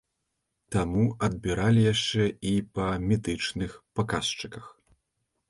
Таму адбіралі яшчэ і па медычных паказчыках.